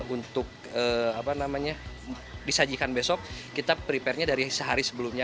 untuk apa namanya disajikan besok kita prepare nya dari sehari sebelumnya